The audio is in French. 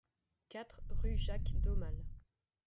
quatre rue Jacques d'Aumale